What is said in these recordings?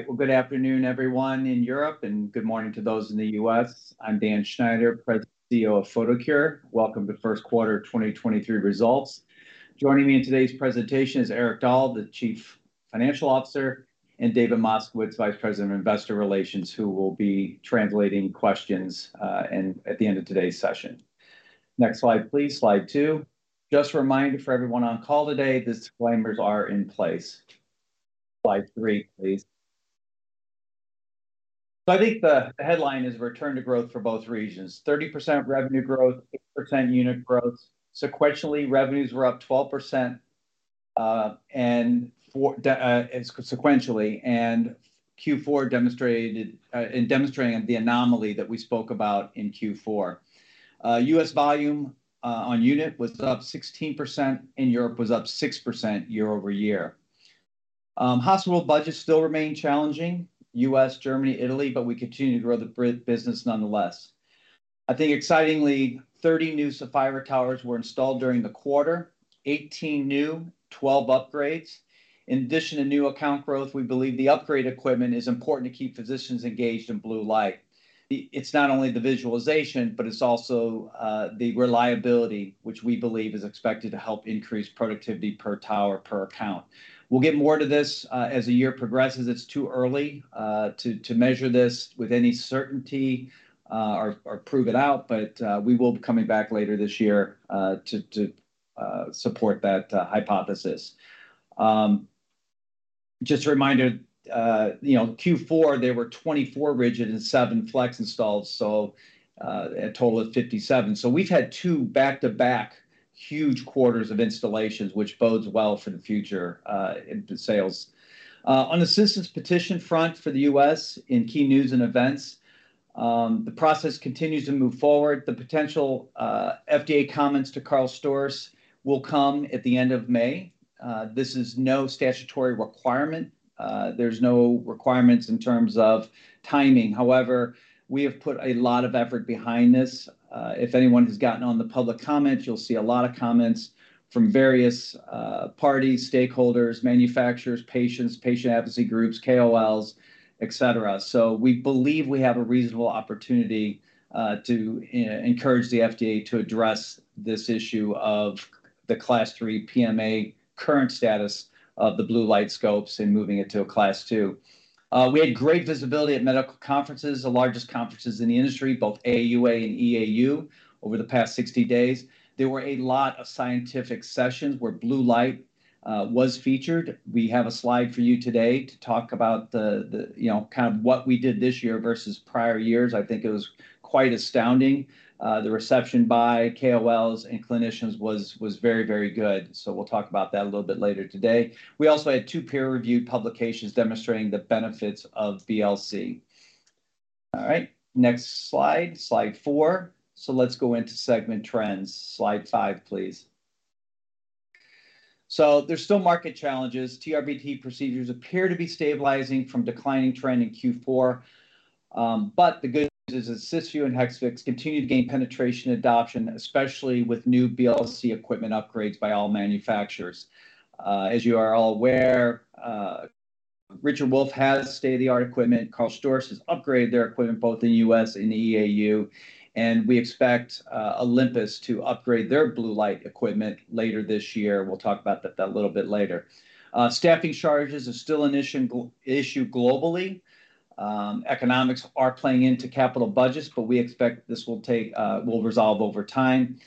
Well, good afternoon everyone in Europe, and good morning to those in the U.S. I'm Dan Schneider, President and CEO of Photocure. Welcome to first quarter 2023 results. Joining me in today's presentation is Erik Dahl, the Chief Financial Officer, and David Moskowitz, Vice President of Investor Relations, who will be translating questions, and at the end of today's session. Next slide please. Slide two. Just a reminder for everyone on call today, disclaimers are in place. Slide three, please. I think the headline is return to growth for both regions. 30% revenue growth, 8% unit growth. Sequentially, revenues were up 12%, and sequentially, and Q4 demonstrated in demonstrating the anomaly that we spoke about in Q4. U.S. volume on unit was up 16%, and Europe was up 6% year-over-year. Hospital budgets still remain challenging, U.S., Germany, Italy, we continue to grow the business nonetheless. I think excitingly, 30 new Saphira towers were installed during the quarter, 18 new, 12 upgrades. In addition to new account growth, we believe the upgrade equipment is important to keep physicians engaged in Blue Light. It's not only the visualization, but it's also the reliability, which we believe is expected to help increase productivity per tower per account. We'll get more to this as the year progresses. It's too early to measure this with any certainty or prove it out, but we will be coming back later this year to support that hypothesis. Just a reminder, you know, Q4 there were 24 rigid and 7 Flex installs, so a total of 57. We've had two back-to-back huge quarters of installations, which bodes well for the future, in sales. On citizen petition front for the US in key news and events, the process continues to move forward. The potential FDA comments to KARL STORZ will come at the end of May. This is no statutory requirement. There's no requirements in terms of timing. However, we have put a lot of effort behind this. If anyone has gotten on the public comments, you'll see a lot of comments from various parties, stakeholders, manufacturers, patients, patient advocacy groups, KOLs, et cetera. We believe we have a reasonable opportunity to encourage the FDA to address this issue of the Class III PMA current status of the blue light scopes and moving it to a Class II. We had great visibility at medical conferences, the largest conferences in the industry, both AUA and EAU over the past 60 days. There were a lot of scientific sessions where blue light was featured. We have a slide for you today to talk about, you know, kind of what we did this year versus prior years. I think it was quite astounding. The reception by KOLs and clinicians was very good. We'll talk about that a little bit later today. We also had two peer-reviewed publications demonstrating the benefits of BLC. All right. Next slide four. Let's go into segment trends. Slide five, please. There's still market challenges. TRBT procedures appear to be stabilizing from declining trend in Q4. The good news is that Cysview and Hexvix continue to gain penetration adoption, especially with new BLC equipment upgrades by all manufacturers. As you are all aware, Richard Wolf has state-of-the-art equipment. KARL STORZ has upgraded their equipment both in the U.S. and the EAU, we expect Olympus to upgrade their blue light equipment later this year. We'll talk about that a little bit later. Staffing shortages are still an issue globally. Economics are playing into capital budgets, we expect this will resolve over time.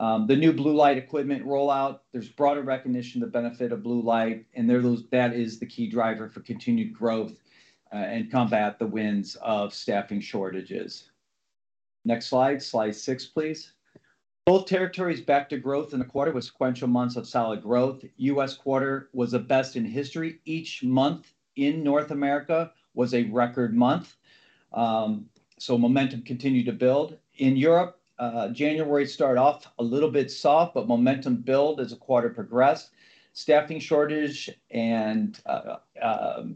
The new blue light equipment rollout, there's broader recognition of the benefit of blue light, that is the key driver for continued growth and combat the winds of staffing shortages. Next slide six, please. Both territories back to growth in the quarter with sequential months of solid growth. US quarter was the best in history. Each month in North America was a record month. Momentum continued to build. In Europe, January started off a little bit soft, momentum build as the quarter progressed. Staffing shortage and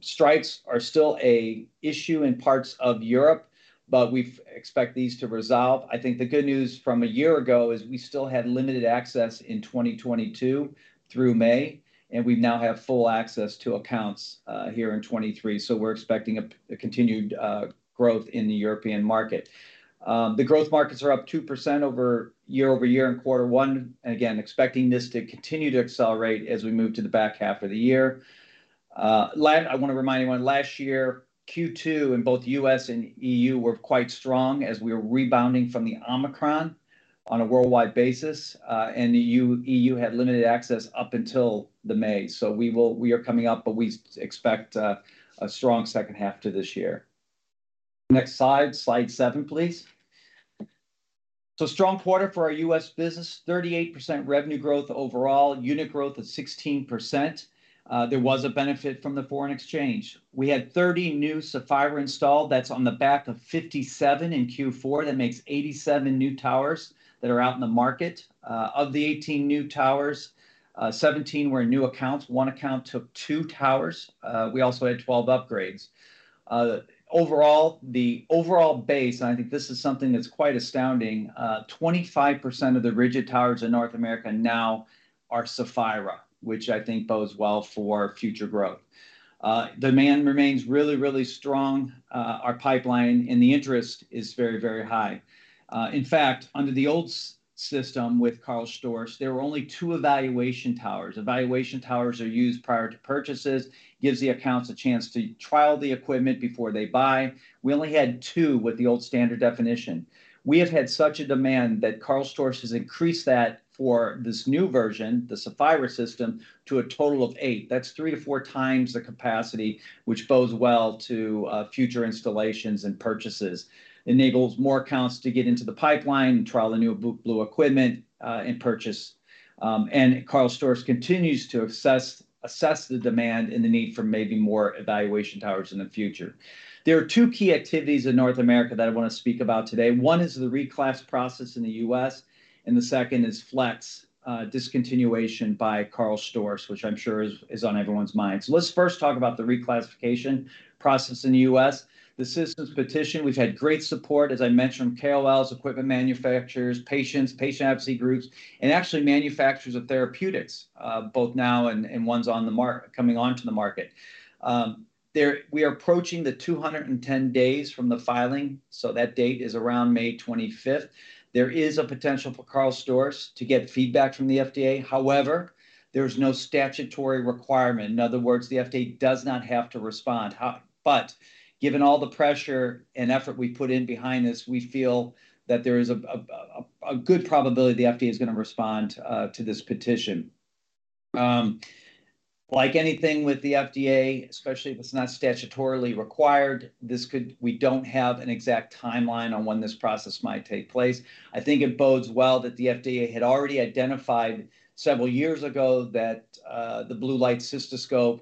strikes are still an issue in parts of Europe, we expect these to resolve. I think the good news from a year ago is we still had limited access in 2022 through May, we now have full access to accounts here in 2023, we're expecting a continued growth in the European market. The growth markets are up 2% over year-over-year in Q1, again, expecting this to continue to accelerate as we move to the back half of the year. I wanna remind everyone, last year, Q2 in both US and EU were quite strong as we were rebounding from the Omicron on a worldwide basis, and EU had limited access up until May. We are coming up, but we expect a strong second half to this year. Next slide seven, please. Strong quarter for our US business, 38% revenue growth overall. Unit growth is 16%. There was a benefit from the foreign exchange. We had 30 new Saphira installed. That's on the back of 57 in Q4. That makes 87 new towers that are out in the market. Of the 18 new towers, 17 were new accounts. one account took two towers. We also had 12 upgrades. The overall base, and I think this is something that's quite astounding, 25% of the rigid towers in North America now are Saphira, which I think bodes well for future growth. Demand remains really, really strong. Our pipeline and the interest is very, very high. In fact, under the old system with KARL STORZ, there were only two evaluation towers. Evaluation towers are used prior to purchases, gives the accounts a chance to trial the equipment before they buy. We only had two with the old standard definition. We have had such a demand that KARL STORZ has increased that for this new version, the Saphira system, to a total of eight. That's three-four times the capacity, which bodes well to future installations and purchases. Enables more accounts to get into the pipeline and trial the new blue equipment and purchase. KARL STORZ continues to assess the demand and the need for maybe more evaluation towers in the future. There are two key activities in North America that I wanna speak about today. One is the reclass process in the U.S., and the second is Flex discontinuation by KARL STORZ, which I'm sure is on everyone's minds. Let's first talk about the reclassification process in the U.S. The systems petition, we've had great support, as I mentioned, KOLs, equipment manufacturers, patients, patient advocacy groups, and actually manufacturers of therapeutics, both now and ones coming onto the market. We are approaching the 210 days from the filing, so that date is around May 25th. There is a potential for KARL STORZ to get feedback from the FDA. However, there's no statutory requirement. In other words, the FDA does not have to respond. Given all the pressure and effort we put in behind this, we feel that there is a good probability the FDA is gonna respond to this petition. Like anything with the FDA, especially if it's not statutorily required, this could we don't have an exact timeline on when this process might take place. I think it bodes well that the FDA had already identified several years ago that the blue light cystoscope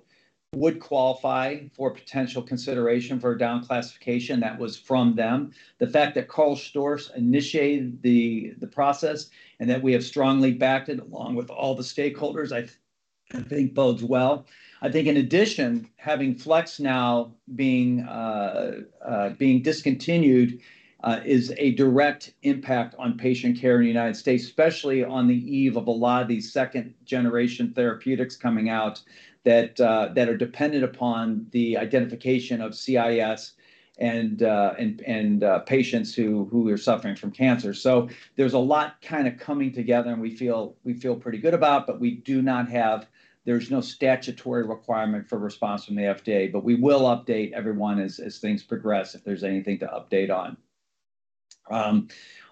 would qualify for potential consideration for a down-classification. That was from them. The fact that KARL STORZ initiated the process and that we have strongly backed it along with all the stakeholders, I think bodes well. I think in addition, having Flex now being discontinued, is a direct impact on patient care in the United States, especially on the eve of a lot of these second-generation therapeutics coming out that are dependent upon the identification of CIS and patients who are suffering from cancer. There's a lot kinda coming together, and we feel pretty good about, but we do not have. There's no statutory requirement for response from the FDA. We will update everyone as things progress, if there's anything to update on.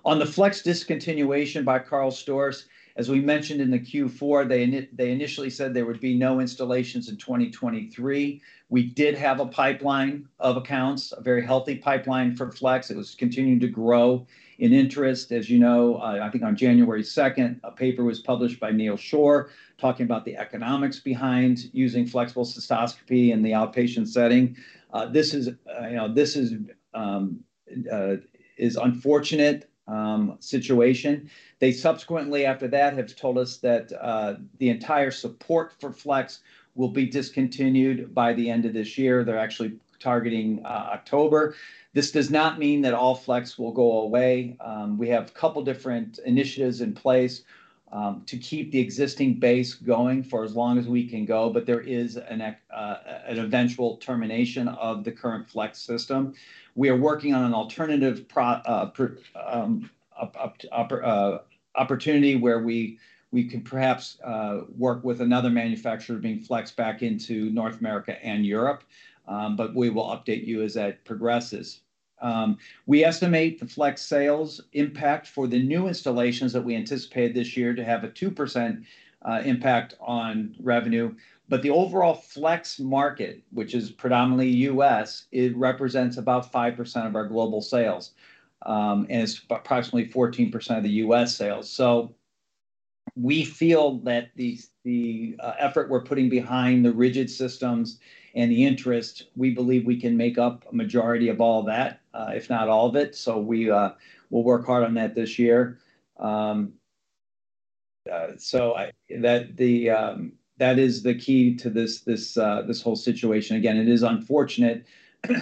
On the Flex discontinuation by KARL STORZ, as we mentioned in the Q4, they initially said there would be no installations in 2023. We did have a pipeline of accounts, a very healthy pipeline for Flex. It was continuing to grow in interest. As you know, I think on 2nd January, a paper was published by Neal Shore talking about the economics behind using flexible cystoscopy in the outpatient setting. This is, you know, this is unfortunate situation. They subsequently, after that, have told us that the entire support for Flex will be discontinued by the end of this year. They're actually targeting October. This does not mean that all Flex will go away. We have a couple different initiatives in place to keep the existing base going for as long as we can go, but there is an eventual termination of the current Flex system. We are working on an alternative opportunity where we could perhaps work with another manufacturer to bring Flex back into North America and Europe. We will update you as that progresses. We estimate the Flex sales impact for the new installations that we anticipate this year to have a 2% impact on revenue. The overall Flex market, which is predominantly US, it represents about 5% of our global sales, and it's approximately 14% of the US sales. We feel that the effort we're putting behind the rigid systems and the interest, we believe we can make up a majority of all that, if not all of it. We will work hard on that this year. That the, that is the key to this whole situation. Again, it is unfortunate,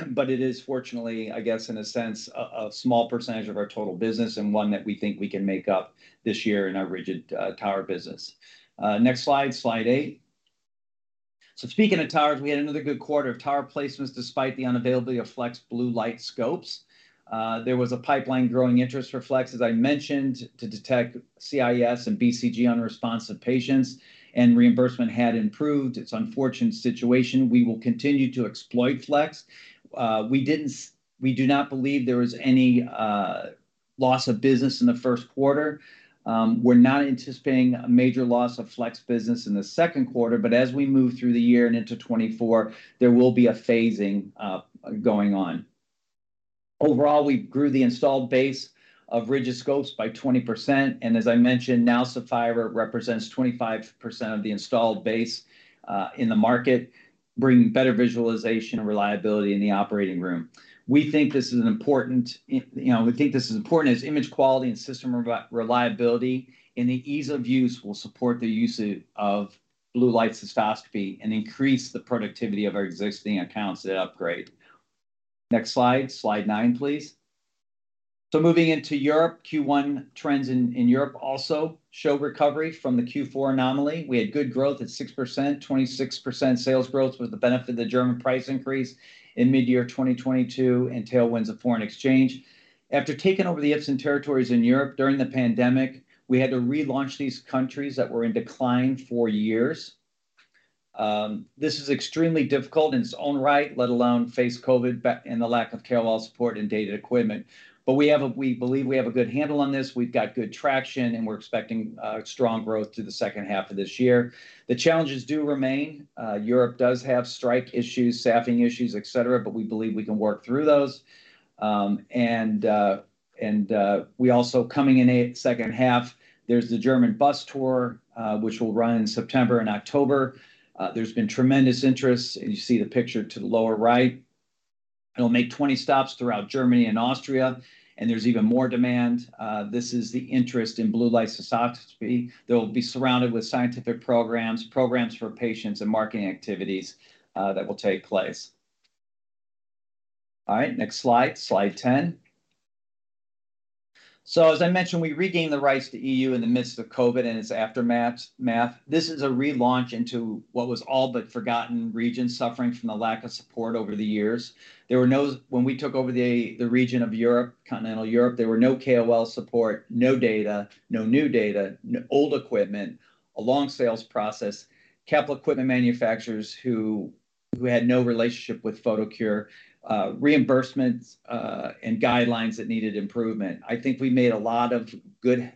but it is fortunately, I guess, in a sense, a small percentage of our total business and one that we think we can make up this year in our rigid tower business. Next slide 8. Speaking of towers, we had another good quarter of tower placements despite the unavailability of Flex blue light scopes. There was a pipeline growing interest for Flex, as I mentioned, to detect CIS and BCG unresponsive patients, and reimbursement had improved. It's unfortunate situation. We will continue to exploit Flex. We do not believe there was any loss of business in the first quarter. We're not anticipating a major loss of Flex business in the second quarter, but as we move through the year and into 2024, there will be a phasing going on. Overall, we grew the installed base of rigid scopes by 20%, and as I mentioned, now Saphira represents 25% of the installed base in the market, bringing better visualization and reliability in the operating room. We think this is important as image quality and system reliability, and the ease of use will support the usage of Blue Light Cystoscopy and increase the productivity of our existing accounts that upgrade. Next slide nine, please. Moving into Europe, Q1 trends in Europe also show recovery from the Q4 anomaly. We had good growth at 6%. 26% sales growth with the benefit of the German price increase in mid-year 2022 and tailwinds of foreign exchange. After taking over the Ipsen territories in Europe during the pandemic, we had to relaunch these countries that were in decline for years. This is extremely difficult in its own right, let alone face COVID and the lack of Carewell support and dated equipment. We believe we have a good handle on this. We've got good traction, and we're expecting strong growth through the second half of this year. The challenges do remain. Europe does have strike issues, staffing issues, et cetera, but we believe we can work through those. We also coming in a second half, there's the German bus tour, which will run in September and October. There's been tremendous interest, as you see the picture to the lower right. It'll make 20 stops throughout Germany and Austria, and there's even more demand. This is the interest in Blue Light Cystoscopy. They'll be surrounded with scientific programs for patients and marketing activities that will take place. All right, next slide 10. As I mentioned, we regained the rights to EU in the midst of COVID and its aftermath. This is a relaunch into what was all but forgotten regions suffering from the lack of support over the years. When we took over the region of Europe, continental Europe, there were no KOL support, no data, no new data, old equipment, a long sales process, capital equipment manufacturers who had no relationship with Photocure, reimbursements, and guidelines that needed improvement. I think we made a lot of good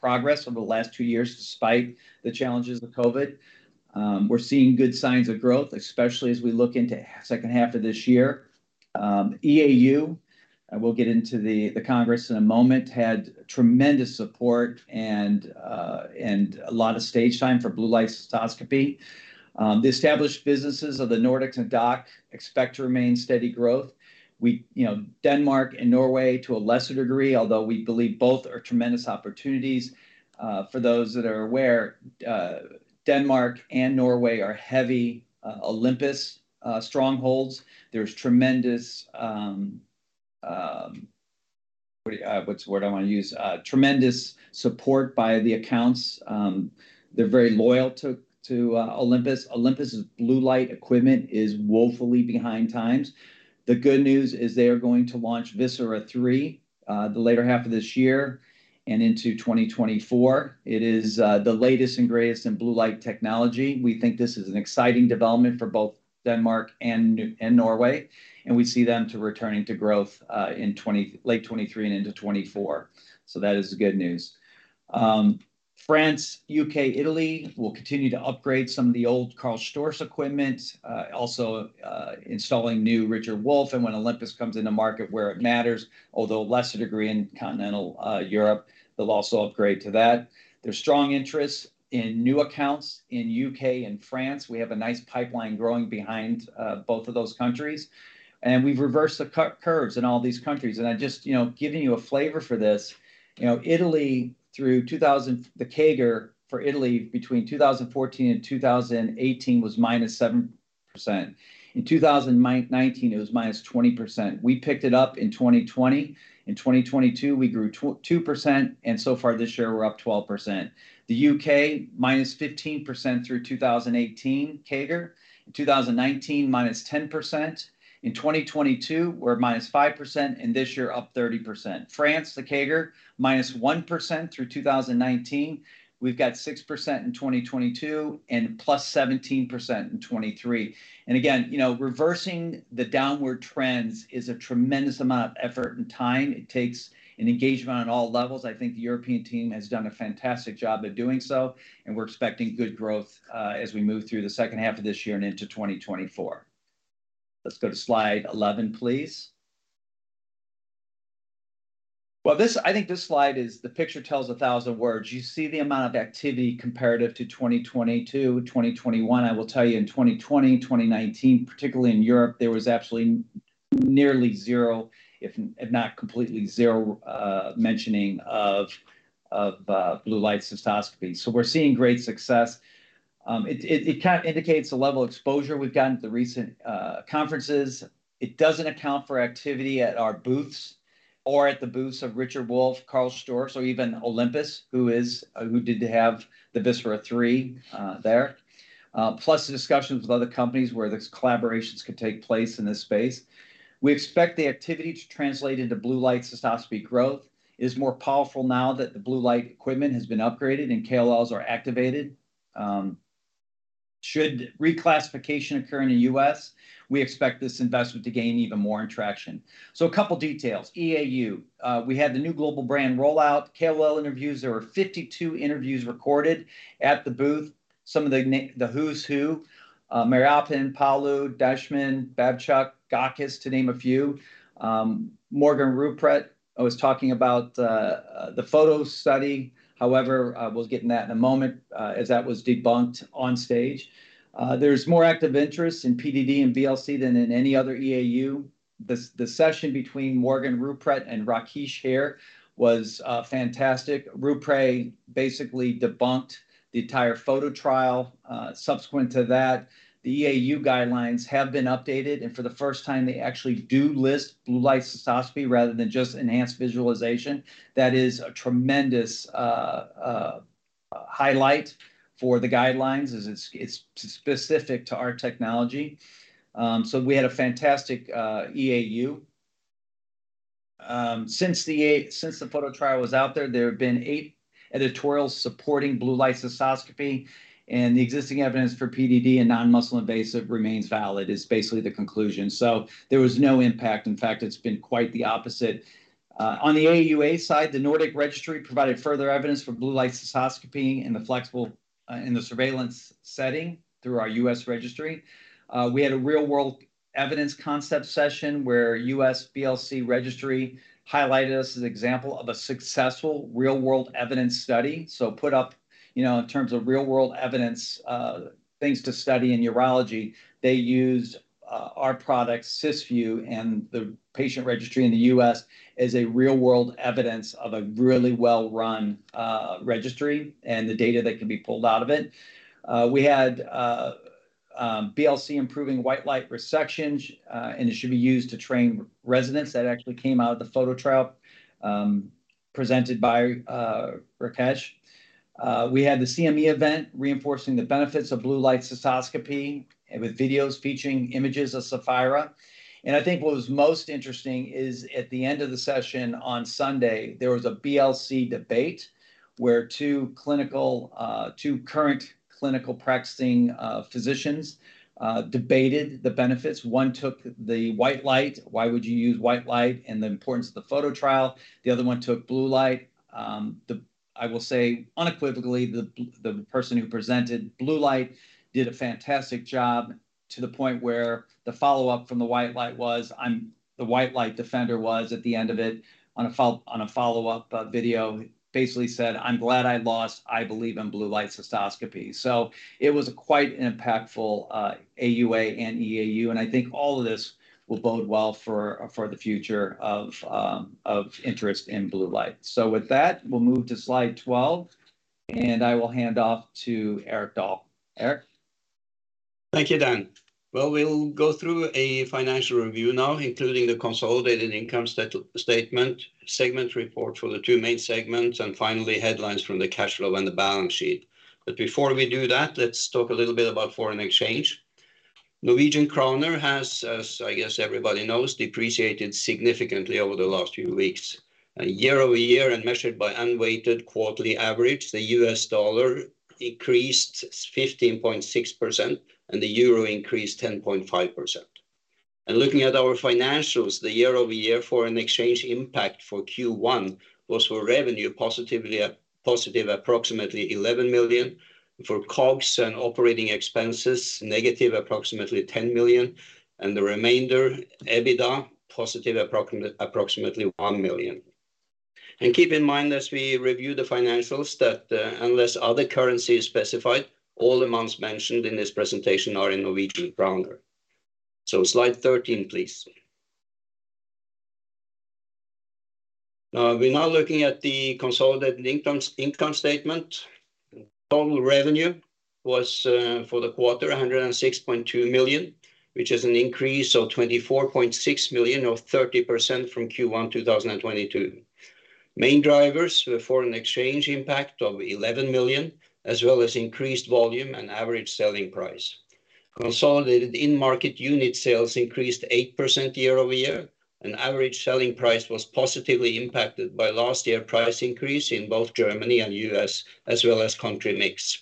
progress over the last two years despite the challenges of COVID. We're seeing good signs of growth, especially as we look into second half of this year. EAU, and we'll get into the congress in a moment, had tremendous support and a lot of stage time for Blue Light Cystoscopy. The established businesses of the Nordics and DACH expect to remain steady growth. You know, Denmark and Norway to a lesser degree, although we believe both are tremendous opportunities, for those that are aware, Denmark and Norway are heavy Olympus strongholds. There's tremendous, what's the word I wanna use? Tremendous support by the accounts. They're very loyal to Olympus. Olympus's Blue Light equipment is woefully behind times. The good news is they are going to launch VISERA ELITE III, the later half of this year and into 2024. It is the latest and greatest in blue light technology. We think this is an exciting development for both Denmark and Norway, and we see them to returning to growth in late 2023 and into 2024. That is the good news. France, UK, Italy will continue to upgrade some of the old KARL STORZ equipment, also installing new Richard Wolf. When Olympus comes into market where it matters, although a lesser degree in continental Europe, they'll also upgrade to that. There's strong interest in new accounts in UK and France. We have a nice pipeline growing behind both of those countries. We've reversed the c-curves in all these countries. I just, you know, giving you a flavor for this, you know, The CAGR for Italy between 2014 and 2018 was -7%. In 2019, it was -20%. We picked it up in 2020. In 2022, we grew 2%, and so far this year, we're up 12%. The UK, -15% through 2018, CAGR. In 2019, -10%. In 2022, we're at -5%, and this year up 30%. France, the CAGR, -1% through 2019. We've got 6% in 2022 and +17% in 2023. Again, you know, reversing the downward trends is a tremendous amount of effort and time. It takes an engagement on all levels. I think the European team has done a fantastic job of doing so, and we're expecting good growth as we move through the second half of this year and into 2024. Let's go to slide 11, please. I think this slide is the picture tells a 1,000 words. You see the amount of activity comparative to 2022, 2021. I will tell you in 2020, 2019, particularly in Europe, there was actually nearly zero if not completely zero mentioning of Blue Light Cystoscopy. We're seeing great success. It kind of indicates the level of exposure we've gotten at the recent conferences. It doesn't account for activity at our booths or at the booths of Richard Wolf, KARL STORZ, or even Olympus, who did have the Visera three there. Plus the discussions with other companies where these collaborations could take place in this space. We expect the activity to translate into Blue Light Cystoscopy growth. It is more powerful now that the blue light equipment has been upgraded and KOLs are activated. Should reclassification occur in the US, we expect this investment to gain even more in traction. A couple details. EAU, we had the new global brand rollout, KOL interviews. There were 52 interviews recorded at the booth. Some of the who's who, Mariappan, Palou, Daneshmand, Babjuk, Gakis, to name a few. Morgan Rouprêt was talking about the PHOTO study. We'll get to that in a moment, as that was debunked on stage. There's more active interest in PDD and BLC than in any other EAU. The session between Morgan Rouprêt and Rakesh Heer was fantastic. Rouprêt basically debunked the entire PHOTO trial. Subsequent to that, the EAU guidelines have been updated, and for the first time, they actually do list blue light cystoscopy rather than just enhanced visualization. That is a tremendous highlight for the guidelines as it's specific to our technology. We had a fantastic EAU. Since the PHOTO trial was out there have been eight editorials supporting blue light cystoscopy, and the existing evidence for PDD and non-muscle invasive remains valid is basically the conclusion. There was no impact. In fact, it's been quite the opposite. On the AUA side, the Nordic Registry provided further evidence for Blue Light Cystoscopy in the flexible, in the surveillance setting through our US BLC Registry. We had a real-world evidence concept session where US BLC Registry highlighted us as an example of a successful real-world evidence study. Put up, you know, in terms of real-world evidence, things to study in urology. They used our product, Cysview, and the patient registry in the US as a real-world evidence of a really well-run registry and the data that can be pulled out of it. We had BLC improving white light resections, and it should be used to train residents. That actually came out of the PHOTO trial, presented by Rakesh. We had the CME event reinforcing the benefits of Blue Light Cystoscopy with videos featuring images of Saphira. I think what was most interesting is at the end of the session on Sunday, there was a BLC debate where two clinical, two current clinical practicing physicians, debated the benefits. One took the white light, why would you use white light, and the importance of the PHOTO trial. The other one took blue light. I will say unequivocally, the person who presented blue light did a fantastic job to the point where the follow-up from the white light was, the white light defender was at the end of it on a follow-up video. Basically said, "I'm glad I lost. I believe in Blue Light Cystoscopy." It was quite an impactful AUA and EAU, and I think all of this will bode well for the future of interest in blue light. With that, we'll move to slide 12, and I will hand off to Erik Dahl. Eirik. Thank you, Dan. Well, we'll go through a financial review now, including the consolidated income statement, segment report for the two main segments, and finally, headlines from the cash flow and the balance sheet. Before we do that, let's talk a little bit about foreign exchange. Norwegian kroner has, as I guess everybody knows, depreciated significantly over the last few weeks. Year-over-year and measured by unweighted quarterly average, the US dollar increased 15.6%, and the euro increased 10.5%. Looking at our financials, the year-over-year foreign exchange impact for Q1 was for revenue positive approximately 11 million, for COGS and operating expenses, negative approximately 10 million, and the remainder, EBITDA, positive approximately 1 million. Keep in mind as we review the financials that, unless other currency is specified, all amounts mentioned in this presentation are in NOK. Slide 13, please. We're now looking at the consolidated income statement. Total revenue was for the quarter, 106.2 million, which is an increase of 24.6 million or 30% from Q1 2022. Main drivers were foreign exchange impact of 11 million, as well as increased volume and average selling price. Consolidated in-market unit sales increased 8% year-over-year, and average selling price was positively impacted by last year price increase in both Germany and U.S., as well as country mix.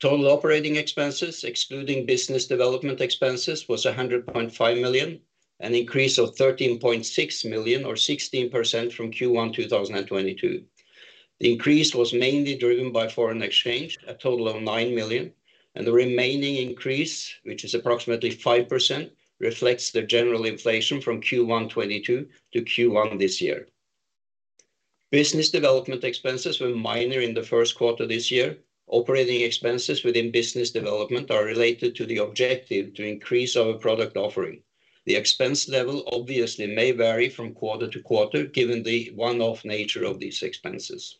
Total operating expenses, excluding business development expenses, was 100.5 million, an increase of 13.6 million or 16% from Q1 2022. The increase was mainly driven by foreign exchange, a total of 9 million, and the remaining increase, which is approximately 5%, reflects the general inflation from Q1 2022 to Q1 this year. Business development expenses were minor in the first quarter this year. Operating expenses within business development are related to the objective to increase our product offering. The expense level obviously may vary from quarter to quarter, given the one-off nature of these expenses.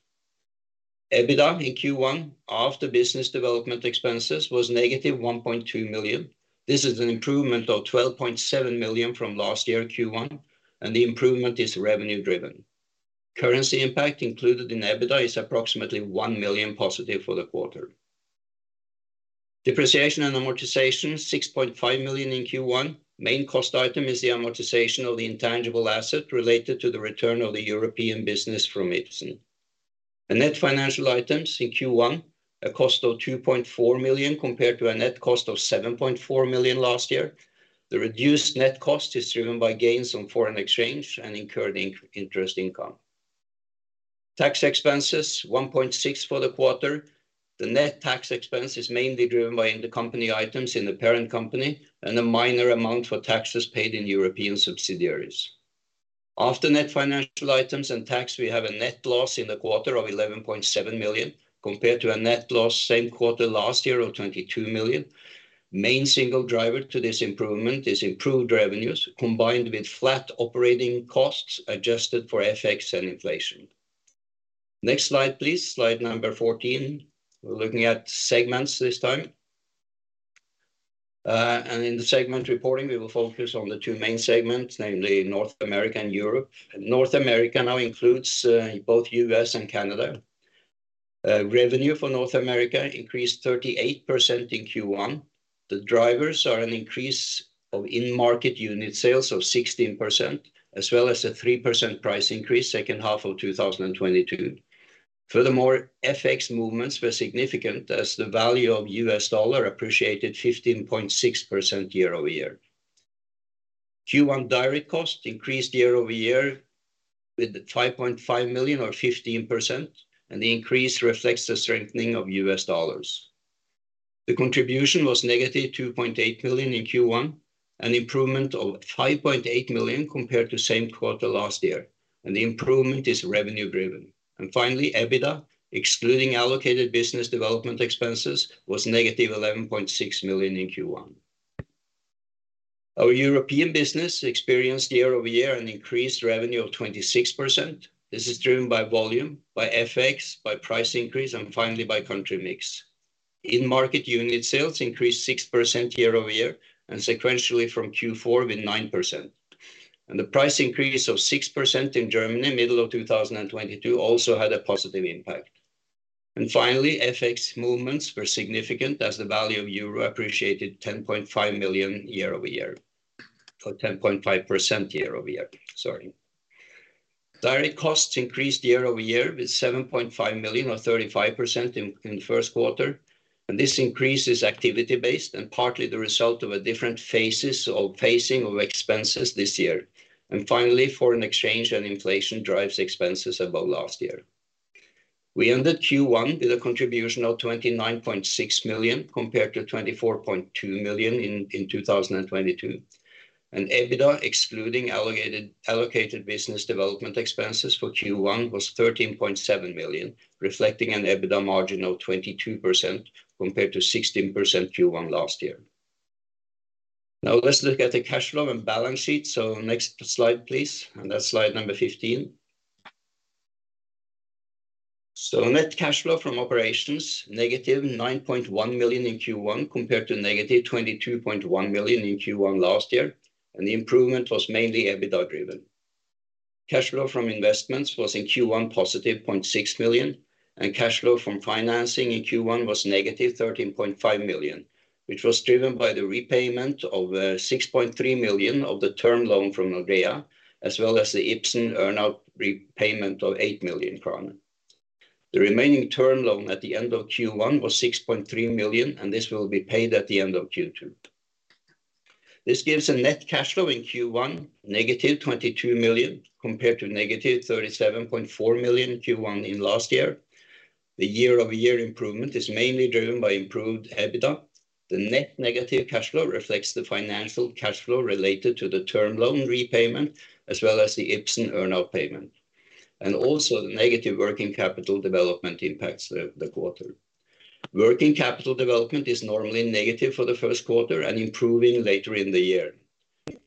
EBITDA in Q1 after business development expenses was negative 1.2 million. This is an improvement of 12.7 million from last year Q1. The improvement is revenue-driven. Currency impact included in EBITDA is approximately 1 million positive for the quarter. Depreciation and amortization, 6.5 million in Q1. Main cost item is the amortization of the intangible asset related to the return of the European business from Ipsen. The net financial items in Q1, a cost of 2.4 million compared to a net cost of 7.4 million last year. The reduced net cost is driven by gains on foreign exchange and incurred interest income. Tax expenses, 1.6 for the quarter. The net tax expense is mainly driven by intercompany items in the parent company, and a minor amount for taxes paid in European subsidiaries. After net financial items and tax, we have a net loss in the quarter of 11.7 million, compared to a net loss same quarter last year of 22 million. Main single driver to this improvement is improved revenues, combined with flat operating costs adjusted for FX and inflation. Next slide, please. Slide number 14. We're looking at segments this time. In the segment reporting, we will focus on the two main segments, namely North America and Europe. North America now includes both U.S. and Canada. Revenue for North America increased 38% in Q1. The drivers are an increase of in-market unit sales of 16%, as well as a 3% price increase second half of 2022. FX movements were significant as the value of US dollar appreciated 15.6% year-over-year. Q1 direct costs increased year-over-year with the $5.5 million or 15%. The increase reflects the strengthening of US dollars. The contribution was -$2.8 million in Q1, an improvement of $5.8 million compared to same quarter last year. The improvement is revenue driven. Finally, EBITDA, excluding allocated business development expenses, was negative 11.6 million in Q1. Our European business experienced year-over-year an increased revenue of 26%. This is driven by volume, by FX, by price increase, finally by country mix. In-market unit sales increased 6% year-over-year and sequentially from Q4 with 9%. The price increase of 6% in Germany middle of 2022 also had a positive impact. Finally, FX movements were significant as the value of EUR appreciated 10.5 million euro year-over-year or 10.5% year-over-year. Direct costs increased year-over-year with 7.5 million or 35% in the first quarter. This increase is activity based and partly the result of a different phasing of expenses this year. Finally, foreign exchange and inflation drives expenses above last year. We ended Q1 with a contribution of 29.6 million compared to 24.2 million in 2022. EBITDA, excluding allocated business development expenses for Q1 was 13.7 million, reflecting an EBITDA margin of 22% compared to 16% Q1 last year. Let's look at the cash flow and balance sheet. Next slide, please, and that's slide number 15. Net cash flow from operations, negative 9.1 million in Q1 compared to negative 22.1 million in Q1 last year, and the improvement was mainly EBITDA driven. Cash flow from investments was in Q1 positive 0.6 million. Cash flow from financing in Q1 was negative 13.5 million, which was driven by the repayment of 6.3 million of the term loan from Nordea, as well as the Ipsen earn out repayment of 8 million kroner. The remaining term loan at the end of Q1 was 6.3 million. This will be paid at the end of Q2. This gives a net cash flow in Q1 negative 22 million compared to negative 37.4 million in Q1 in last year. The year-over-year improvement is mainly driven by improved EBITDA. The net negative cash flow reflects the financial cash flow related to the term loan repayment as well as the Ipsen earn out payment. Also the negative working capital development impacts the quarter. Working capital development is normally negative for the first quarter and improving later in the year.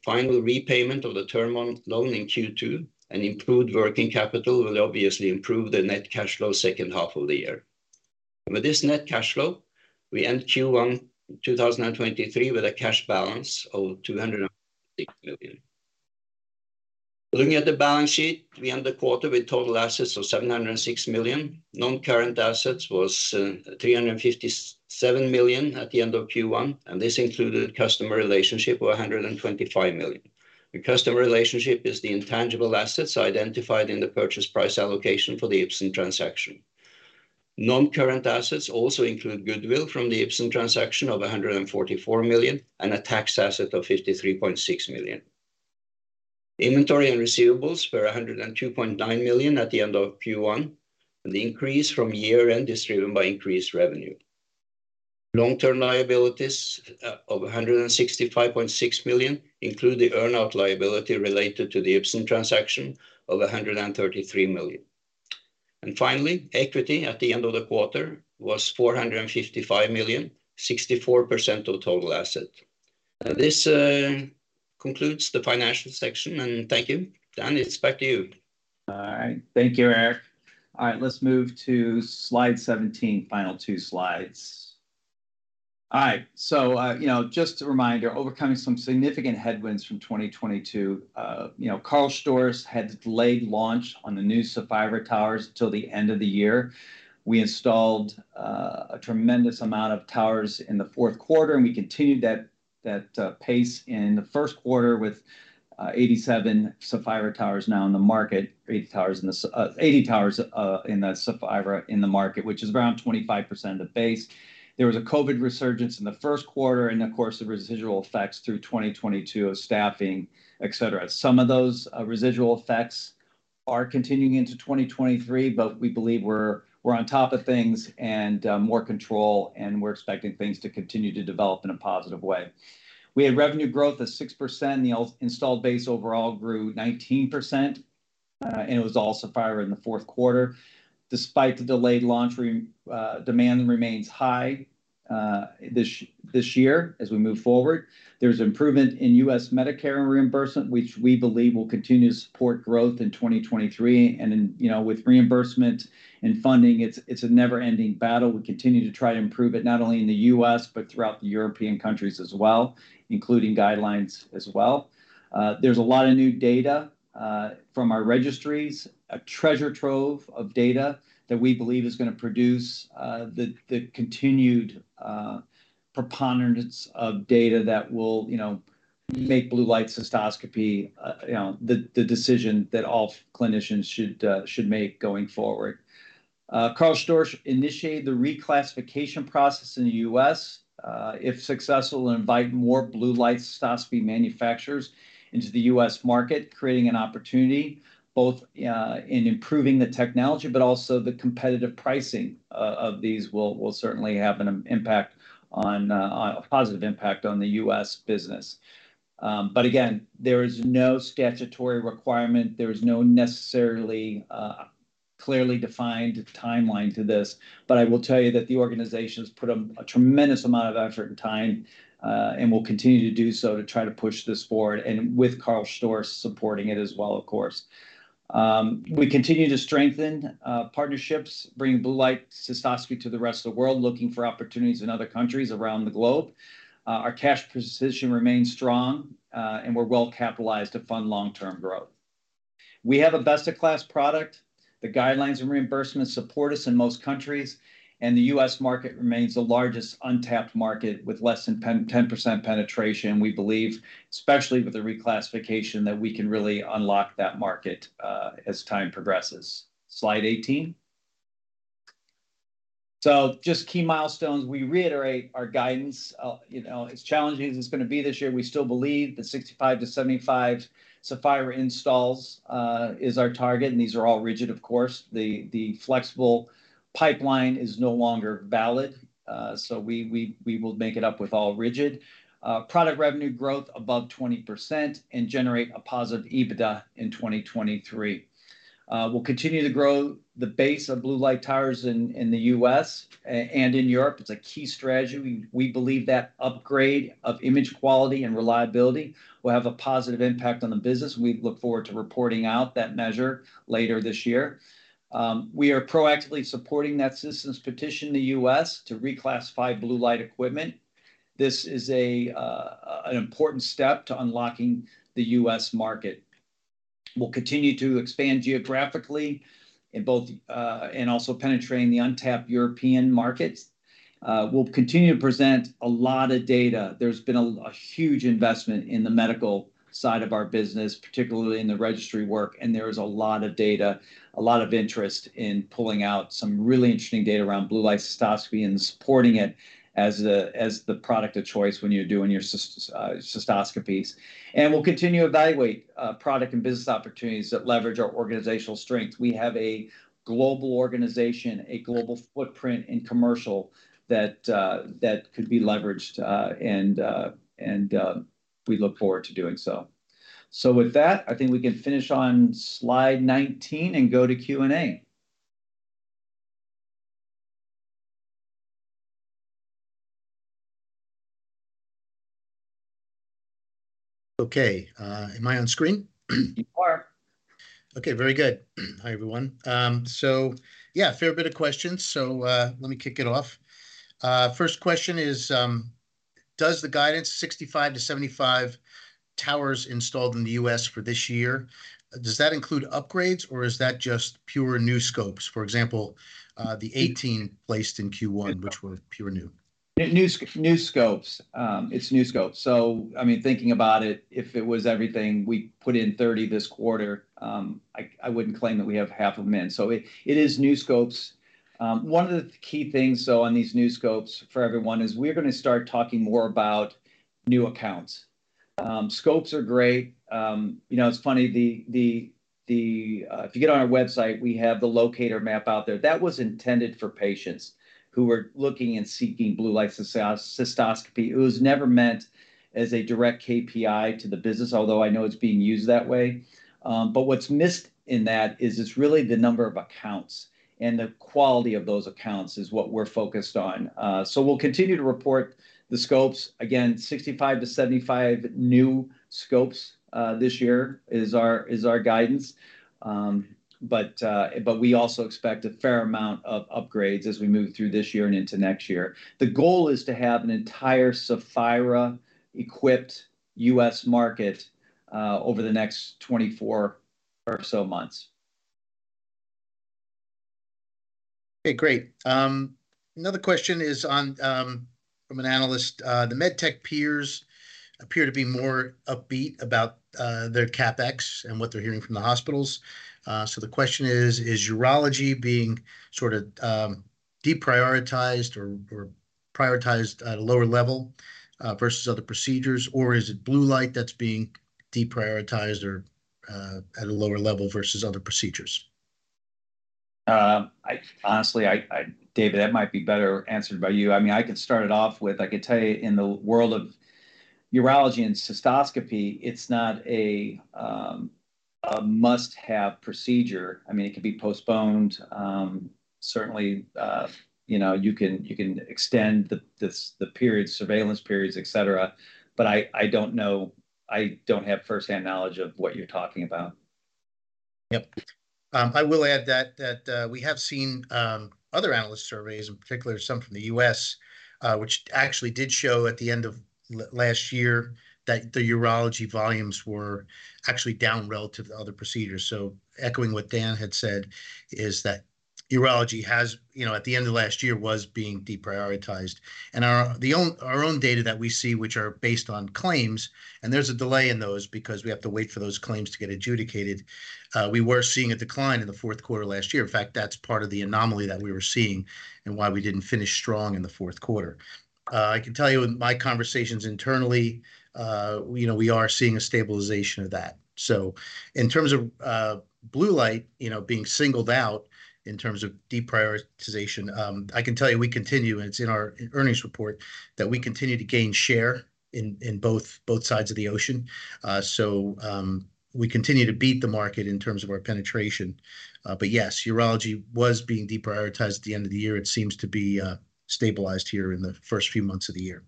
Final repayment of the term on loan in Q2 and improved working capital will obviously improve the net cash flow second half of the year. With this net cash flow, we end Q1 in 2023 with a cash balance of 260 million. Looking at the balance sheet, we end the quarter with total assets of 706 million. Non-current assets was 357 million at the end of Q1, and this included customer relationship of 125 million. The customer relationship is the intangible assets identified in the purchase price allocation for the Ipsen transaction. Non-current assets also include goodwill from the Ipsen transaction of 144 million and a tax asset of 53.6 million. Inventory and receivables were 102.9 million at the end of Q1, and the increase from year-end is driven by increased revenue. Long-term liabilities of 165.6 million include the earn-out liability related to the Ipsen transaction of 133 million. Finally, equity at the end of the quarter was 455 million, 64% of total asset. Now this concludes the financial section, and thank you. Dan, it's back to you. All right. Thank you, Erik. All right. Let's move to slide 17. Final two slides. All right. you know, just a reminder, overcoming some significant headwinds from 2022, you know, KARL STORZ had delayed launch on the new Saphira towers till the end of the year. We installed a tremendous amount of towers in the 4Q, and we continued that pace in the 1Q with 87 Saphira towers now in the market, 80 towers in the Saphira in the market, which is around 25% of the base. There was a COVID resurgence in the 1Q and of course the residual effects through 2022 of staffing, et cetera. Some of those residual effects are continuing into 2023, but we believe we're on top of things and more control, and we're expecting things to continue to develop in a positive way. We had revenue growth of 6%. The installed base overall grew 19%, and it was all Saphira in the Q4. Despite the delayed launch, demand remains high this year as we move forward. There's improvement in US Medicare reimbursement, which we believe will continue to support growth in 2023. You know, with reimbursement and funding, it's a never-ending battle. We continue to try to improve it, not only in the US, but throughout the European countries as well, including guidelines as well. There's a lot of new data from our registries, a treasure trove of data that we believe is gonna produce the continued preponderance of data that will, you know, make Blue Light Cystoscopy, you know, the decision that all clinicians should make going forward. KARL STORZ initiated the reclassification process in the U.S. If successful, it'll invite more Blue Light Cystoscopy manufacturers into the U.S. market, creating an opportunity both in improving the technology, but also the competitive pricing of these will certainly have an impact on a positive impact on the U.S. business. Again, there is no statutory requirement. There is no necessarily clearly defined timeline to this. I will tell you that the organization's put a tremendous amount of effort and time, and will continue to do so to try to push this forward, and with KARL STORZ supporting it as well, of course. We continue to strengthen partnerships, bringing Blue Light Cystoscopy to the rest of the world, looking for opportunities in other countries around the globe. Our cash position remains strong, and we're well-capitalized to fund long-term growth. We have a best-in-class product. The guidelines and reimbursements support us in most countries, and the US market remains the largest untapped market with less than 10% penetration. We believe, especially with the reclassification, that we can really unlock that market as time progresses. Slide 18. Just key milestones. We reiterate our guidance. You know, as challenging as it's gonna be this year, we still believe the 65-75 Saphira installs is our target, and these are all rigid, of course. The flexible pipeline is no longer valid, so we will make it up with all rigid. Product revenue growth above 20% and generate a positive EBITDA in 2023. We'll continue to grow the base of blue light towers in the U.S. and in Europe. It's a key strategy. We believe that upgrade of image quality and reliability will have a positive impact on the business. We look forward to reporting out that measure later this year. We are proactively supporting that systems petition in the U.S. to reclassify blue light equipment. This is an important step to unlocking the US market. We'll continue to expand geographically in both and also penetrating the untapped European markets. We'll continue to present a lot of data. There's been a huge investment in the medical side of our business, particularly in the registry work, and there is a lot of data, a lot of interest in pulling out some really interesting data around Blue Light Cystoscopy and supporting it as the product of choice when you're doing your cystoscopies. We'll continue to evaluate product and business opportunities that leverage our organizational strength. We have a global organization, a global footprint in commercial that could be leveraged and we look forward to doing so. With that, I think we can finish on slide 19 and go to Q&A. Okay. Am I on screen? You are. Okay. Very good. Hi, everyone. Yeah, a fair bit of questions. Let me kick it off. First question is: Does the guidance 65-75 towers installed in the U.S. for this year, does that include upgrades, or is that just pure new scopes? For example, the 18 placed in Q1, which were pure new. New scopes. It's new scopes. I mean, thinking about it, if it was everything, we put in 30 this quarter, I wouldn't claim that we have half of them in. It is new scopes. One of the key things though on these new scopes for everyone is we're gonna start talking more about new accounts. Scopes are great. You know, it's funny, the, if you get on our website, we have the locator map out there. That was intended for patients who were looking and seeking Blue Light Cystoscopy. It was never meant as a direct KPI to the business, although I know it's being used that way. What's missed in that is it's really the number of accounts, and the quality of those accounts is what we're focused on. We'll continue to report the scopes. Again, 65-75 new scopes this year is our guidance. We also expect a fair amount of upgrades as we move through this year and into next year. The goal is to have an entire Saphira-equipped US market over the next 24 or so months. Okay, great. Another question is on from an analyst. The medtech peers appear to be more upbeat about their CapEx and what they're hearing from the hospitals. The question is: Is urology being sort of deprioritized or prioritized at a lower level versus other procedures, or is it Blue Light that's being deprioritized or at a lower level versus other procedures? Honestly, David, that might be better answered by you. I mean, I can start it off with, I could tell you in the world of urology and cystoscopy, it's not a must-have procedure. I mean, it can be postponed. Certainly, you know, you can extend the periods, surveillance periods, et cetera. I don't know. I don't have first-hand knowledge of what you're talking about. Yep. I will add that we have seen other analyst surveys, in particular some from the U.S., which actually did show at the end of last year that the urology volumes were actually down relative to other procedures. Echoing what Dan had said is that urology has, you know, at the end of last year, was being deprioritized. Our own data that we see, which are based on claims, and there's a delay in those because we have to wait for those claims to get adjudicated, we were seeing a decline in the fourth quarter last year. In fact, that's part of the anomaly that we were seeing and why we didn't finish strong in the fourth quarter. I can tell you in my conversations internally, you know, we are seeing a stabilization of that. In terms of Blue Light, you know, being singled out in terms of deprioritization, I can tell you we continue, and it's in our earnings report, that we continue to gain share in both sides of the ocean. We continue to beat the market in terms of our penetration. Yes, urology was being deprioritized at the end of the year. It seems to be, stabilized here in the first few months of the year.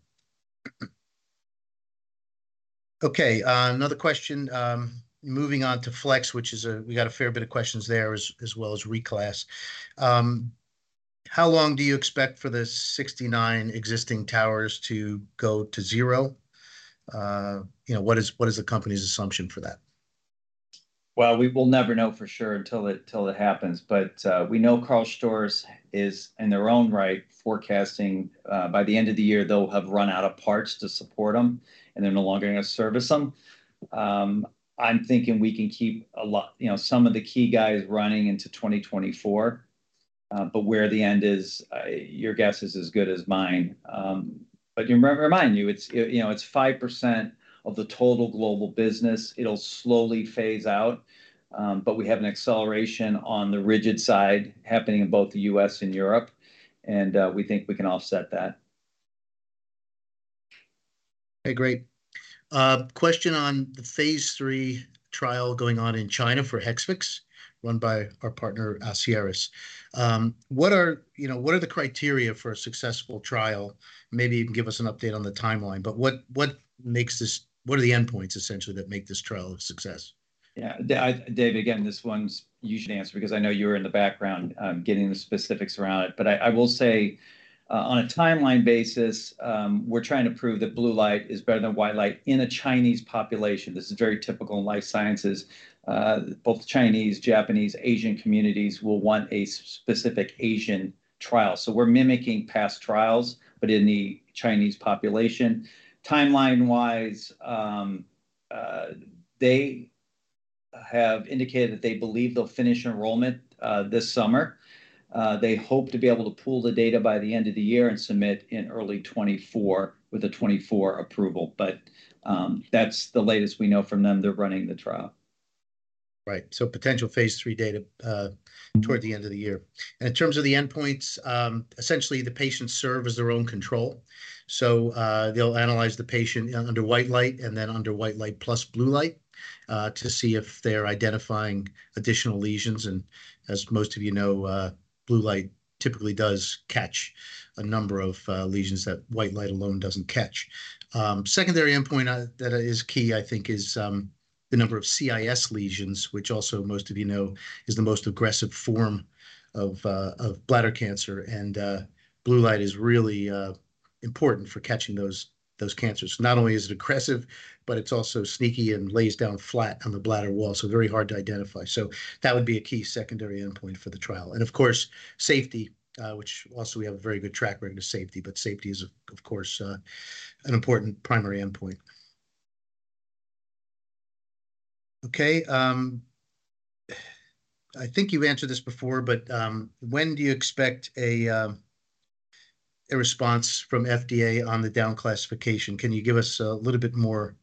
Another question. Moving on to Flex, which is a we got a fair bit of questions there as well as reclass. How long do you expect for the 69 existing towers to go to zero? You know, what is the company's assumption for that? Well, we will never know for sure until it happens. We know KARL STORZ is, in their own right, forecasting, by the end of the year they'll have run out of parts to support them, and they're no longer gonna service them. I'm thinking we can keep a lot, you know, some of the key guys running into 2024. Where the end is, your guess is as good as mine. Remind you, it's, you know, it's 5% of the total global business. It'll slowly Phase out. We have an acceleration on the rigid side happening in both the US and Europe and, we think we can offset that. Okay, great. Question on the Phase 3 trial going on in China for Hexvix run by our partner, Asieris. What are, you know, what are the criteria for a successful trial? Maybe even give us an update on the timeline. What makes this, what are the endpoints essentially that make this trial a success? Yeah. David, again, this one you should answer because I know you were in the background, getting the specifics around it. I will say, on a timeline basis, we're trying to prove that blue light is better than white light in a Chinese population. This is very typical in life sciences. Both Chinese, Japanese, Asian communities will want a specific Asian trial. We're mimicking past trials, but in the Chinese population. Timeline-wise, they have indicated that they believe they'll finish enrollment this summer. They hope to be able to pool the data by the end of the year and submit in early 2024 with a 2024 approval. That's the latest we know from them. They're running the trial. Right. Potential Phase 3 data toward the end of the year. In terms of the endpoints, essentially the patients serve as their own control, they'll analyze the patient under white light and then under white light plus Blue Light to see if they're identifying additional lesions. As most of you know, Blue Light typically does catch a number of lesions that white light alone doesn't catch. Secondary endpoint that is key I think is the number of CIS lesions, which also most of you know is the most aggressive form of bladder cancer. Blue Light is really important for catching those cancers. Not only is it aggressive, but it's also sneaky and lays down flat on the bladder wall, so very hard to identify. That would be a key secondary endpoint for the trial. Of course, safety, which also we have a very good track record of safety, but safety is of course, an important primary endpoint. Okay, I think you've answered this before, but when do you expect a response from FDA on the down classification? Can you give us a little bit more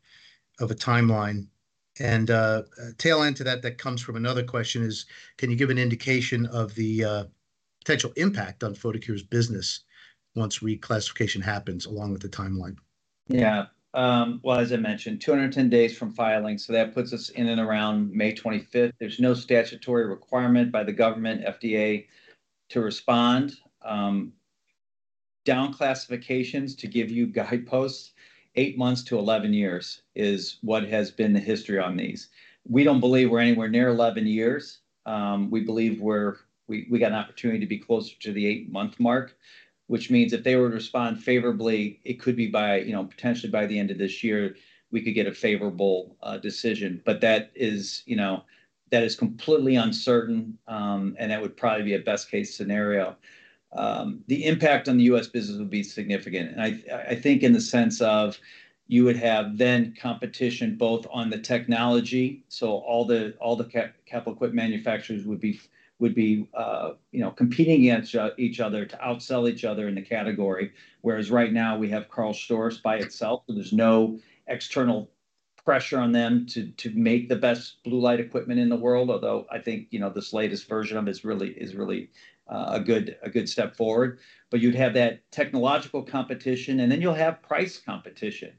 of a timeline? A tail end to that that comes from another question is, can you give an indication of the potential impact on Photocure's business once reclassification happens along with the timeline? Yeah. Well, as I mentioned, 210 days from filing, that puts us in and around May 25th. There's no statutory requirement by the government, FDA to respond. Down classifications to give you guideposts, eight months to 11 years is what has been the history on these. We don't believe we're anywhere near 11 years. We believe we got an opportunity to be closer to the eight-month mark, which means if they were to respond favorably, it could be by, you know, potentially by the end of this year, we could get a favorable decision. That is, you know. That is completely uncertain, and that would probably be a best-case scenario. The impact on the US business would be significant. I think in the sense of you would have then competition both on the technology, so all the capital equipment manufacturers would be, you know, competing against each other to outsell each other in the category. Whereas right now we have KARL STORZ by itself, so there's no external pressure on them to make the best blue light equipment in the world. Although I think, you know, this latest version of it is really, a good step forward. You'd have that technological competition, and then you'll have price competition.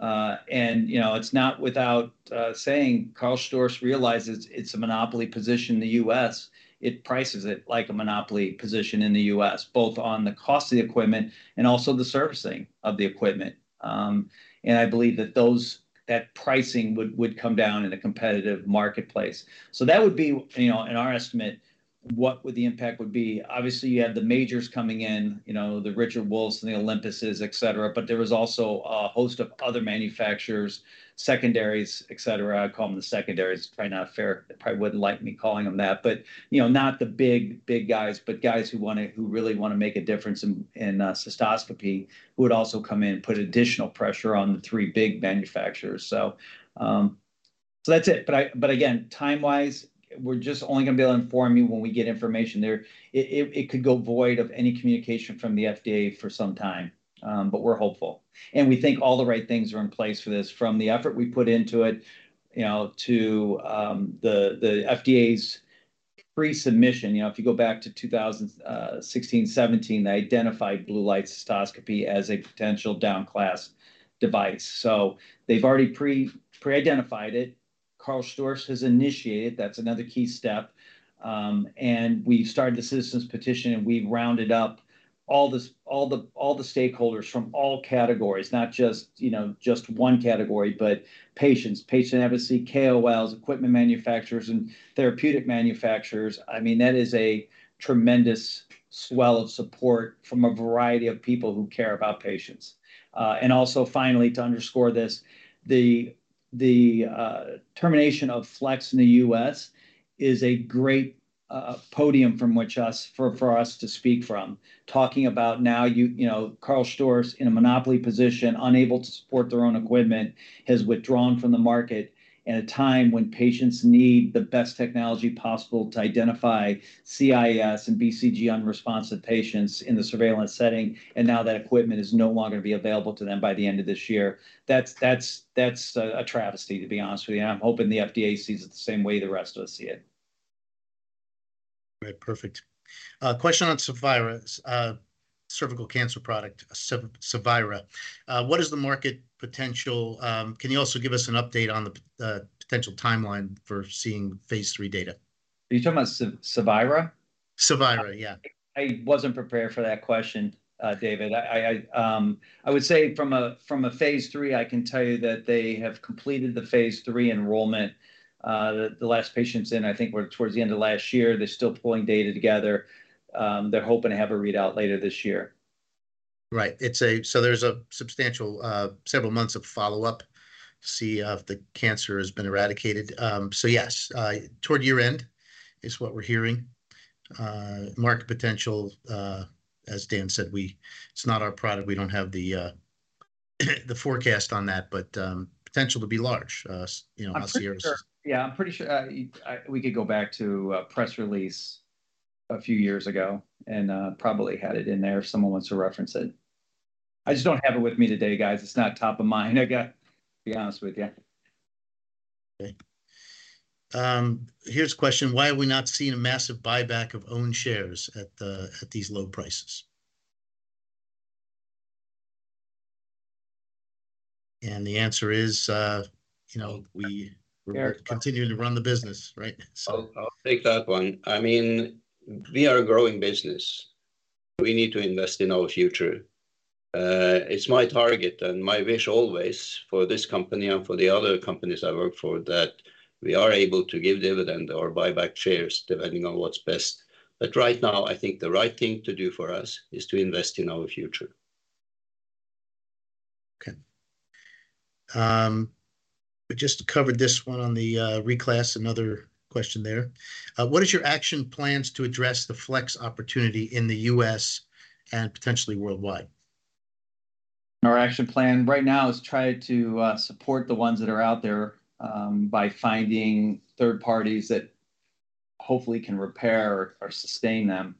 You know, it's not without saying KARL STORZ realizes it's a monopoly position in the U.S. It prices it like a monopoly position in the U.S., both on the cost of the equipment and also the servicing of the equipment. I believe that those, that pricing would come down in a competitive marketplace. That would be, you know, in our estimate, what would the impact would be. Obviously, you had the majors coming in, you know, the Richard Wolfs and the Olympuses, et cetera. There was also a host of other manufacturers, secondaries, et cetera. I call them the secondaries. Probably not fair. They probably wouldn't like me calling them that. You know, not the big, big guys, but guys who wanna, who really wanna make a difference in cystoscopy, who would also come in, put additional pressure on the three big manufacturers. That's it. Again, time-wise, we're just only gonna be able to inform you when we get information there. It could go void of any communication from the FDA for some time. We're hopeful, and we think all the right things are in place for this, from the effort we put into it, you know, to the FDA's pre-submission. If you go back to 2016, 2017, they identified Blue Light Cystoscopy as a potential down-class device. They've already pre-identified it. KARL STORZ has initiated. That's another key step. We started the citizen petition, and we've rounded up all the stakeholders from all categories, not just, you know, just one category, but patients, patient advocacy, KOLs, equipment manufacturers, and therapeutic manufacturers. I mean, that is a tremendous swell of support from a variety of people who care about patients. Also finally, to underscore this, the termination of Flex in the U.S. is a great podium from which for us to speak from. Talking about now you know, KARL STORZ in a monopoly position, unable to support their own equipment, has withdrawn from the market at a time when patients need the best technology possible to identify CIS and BCG unresponsive patients in the surveillance setting. Now that equipment is no longer gonna be available to them by the end of this year. That's a travesty, to be honest with you, and I'm hoping the FDA sees it the same way the rest of us see it. Right. Perfect. A question on Cevira, cervical cancer product, Cevira. What is the market potential? Can you also give us an update on the potential timeline for seeing Phase 3 data? Are you talking about Cevira? Cevira, yeah. I wasn't prepared for that question, David. I would say from a Phase 3, I can tell you that they have completed the Phase 3 enrollment. The last patients in I think were towards the end of last year. They're still pulling data together. They're hoping to have a readout later this year. Right. There's a substantial several months of follow-up to see if the cancer has been eradicated. Yes, toward year-end is what we're hearing. Market potential, as Dan said, it's not our product. We don't have the forecast on that, but potential to be large. You know, Asieris I'm pretty sure. Yeah, I'm pretty sure. We could go back to a press release a few years ago and probably had it in there if someone wants to reference it. I just don't have it with me today, guys. It's not top of mind. I gotta be honest with you. Okay. Here's a question. Why have we not seen a massive buyback of own shares at the, at these low prices? The answer is, you know, Erik... we're continuing to run the business, right? I'll take that one. I mean, we are a growing business. We need to invest in our future. It's my target and my wish always for this company and for the other companies I work for that we are able to give dividend or buy back shares, depending on what's best. Right now I think the right thing to do for us is to invest in our future. Okay. We just covered this one on the reclass, another question there. What is your action plans to address the Flex opportunity in the U.S. and potentially worldwide? Our action plan right now is try to support the ones that are out there, by finding third parties that hopefully can repair or sustain them,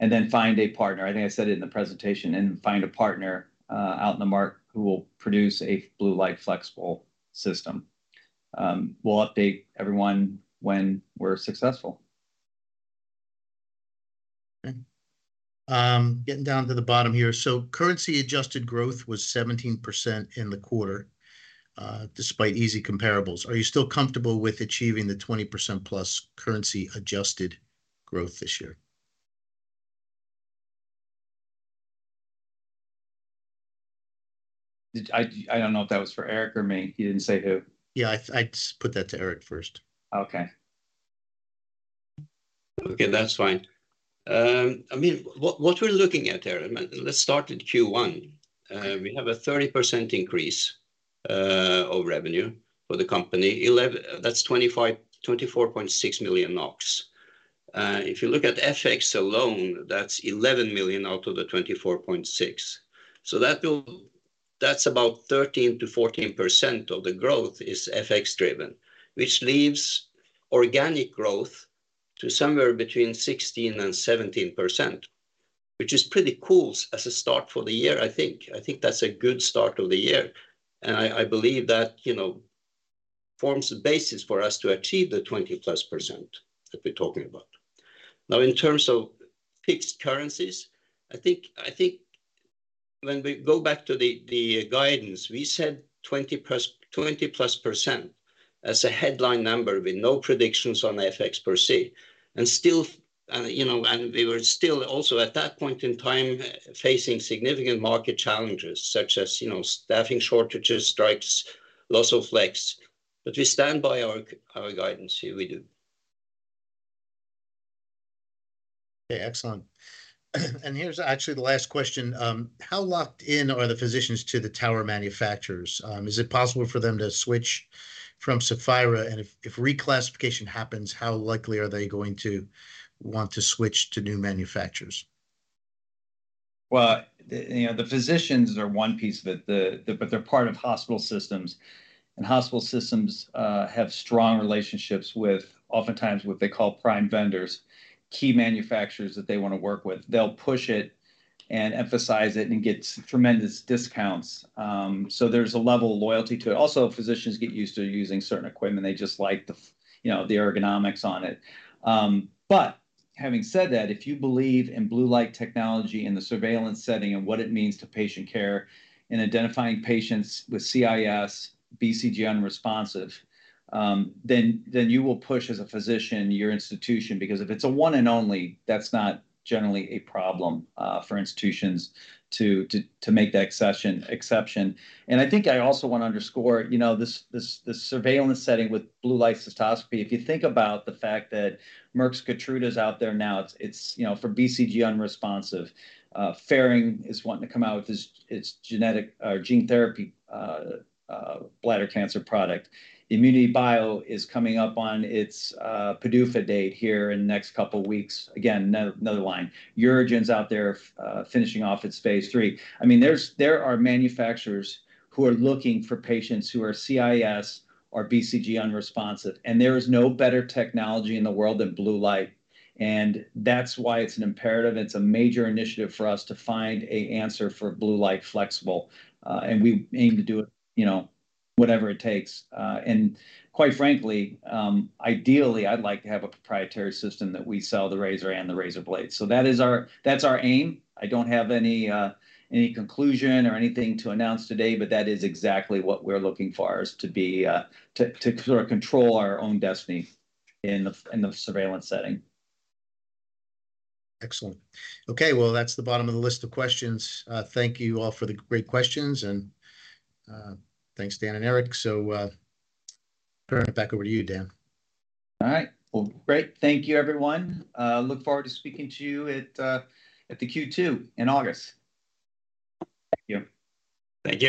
and then find a partner, I think I said it in the presentation, and find a partner out in the market who will produce a Blue Light flexible system. We'll update everyone when we're successful. Getting down to the bottom here. Currency adjusted growth was 17% in the quarter, despite easy comparables. Are you still comfortable with achieving the 20%+ currency adjusted growth this year? I don't know if that was for Erik or me. You didn't say who. Yeah, I put that to Erik first. Okay. Okay, that's fine. I mean, what we're looking at here, let's start at Q1. We have a 30% increase of revenue for the company. That's 24.6 million NOK. If you look at FX alone, that's 11 million out of the 24.6 million. That's about 13%-14% of the growth is FX driven, which leaves organic growth to somewhere between 16% and 17%, which is pretty cool as a start for the year, I think. I think that's a good start of the year, and I believe that, you know, forms the basis for us to achieve the 20%+ that we're talking about. Now, in terms of fixed currencies, I think when we go back to the guidance, we said 20+% as a headline number with no predictions on FX per se. Still, you know, and we were still also at that point in time facing significant market challenges such as, you know, staffing shortages, strikes, loss of Flex. We stand by our guidance here, we do. Okay, excellent. Here's actually the last question. How locked in are the physicians to the tower manufacturers? Is it possible for them to switch from Saphira? If reclassification happens, how likely are they going to want to switch to new manufacturers? Well, you know, the physicians are one piece of it. But they're part of hospital systems. Hospital systems have strong relationships with oftentimes what they call prime vendors, key manufacturers that they wanna work with. They'll push it and emphasize it and get tremendous discounts. There's a level of loyalty to it. Also, physicians get used to using certain equipment. They just like you know, the ergonomics on it. Having said that, if you believe in blue light technology in the surveillance setting and what it means to patient care in identifying patients with CIS BCG unresponsive, then you will push as a physician your institution because if it's a one and only, that's not generally a problem for institutions to make that exception. I think I also wanna underscore, you know, this surveillance setting with Blue Light Cystoscopy, if you think about the fact that Merck's KEYTRUDA is out there now, it's, you know, for BCG unresponsive. FerGene is wanting to come out with its gene therapy bladder cancer product. Immunity Bio is coming up on its PDUFA date here in the next couple weeks. Again, another line. UroGen's out there finishing off its Phase 3. I mean, there are manufacturers who are looking for patients who are CIS or BCG unresponsive, and there is no better technology in the world than Blue Light. That's why it's an imperative, and it's a major initiative for us to find a answer for Blue Light flexible. We aim to do it, you know, whatever it takes. Quite frankly, ideally, I'd like to have a proprietary system that we sell the razor and the razor blades. That's our aim. I don't have any conclusion or anything to announce today, but that is exactly what we're looking for, is to be, to sort of control our own destiny in the, in the surveillance setting. Excellent. Okay, well, that's the bottom of the list of questions. Thank you all for the great questions, and thanks Dan and Erik. Turning it back over to you, Dan. All right. Well, great. Thank you everyone. Look forward to speaking to you at the Q2 in August. Thank you. Thank you.